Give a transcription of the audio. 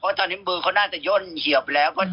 ก็จับดีเดียวรู้ด้วยสำหรับตัว